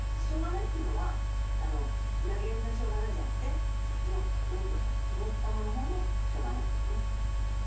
「しようがない」っていうのは投げやりな「しようがない」じゃなくてそっちのドンとした肝っ玉のほうの「しようがない」ですね。